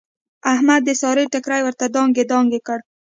احمد د سارې ټیکری ورته دانګې دانګې کړ.